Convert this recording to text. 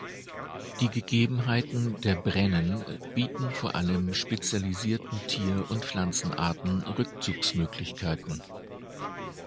Die Gegebenheiten der Brennen bieten vor allem spezialisierten Tier- und Pflanzenarten Rückzugsmöglichkeiten.